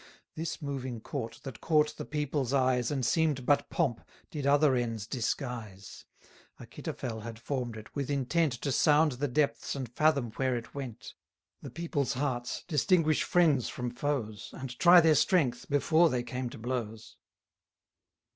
This moving court, that caught the people's eyes, And seem'd but pomp, did other ends disguise: 740 Achitophel had form'd it, with intent To sound the depths, and fathom where it went, The people's hearts, distinguish friends from foes, And try their strength, before they came to blows.